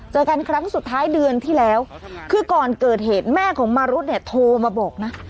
เจอกันครั้งสุดท้ายเดือนที่แล้วคือก่อนเกิดเหตุแม่ของมารุดเนี่ยโทรมาบอกนะ